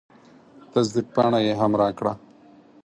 تصدیق پاڼه یې هم راکړه.